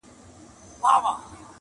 • استادانو چلول درانه بارونه -